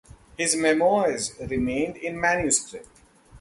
His memoirs remained in manuscript.